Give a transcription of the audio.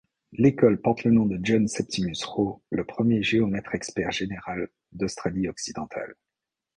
L'école porte le nom de John Septimus Roe, le premier géomètre-expert général d'Australie Occidentale.